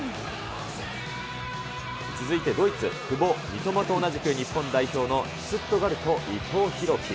続いてドイツ、久保、三笘と同じく日本代表のシュツットガルト、伊藤洋輝。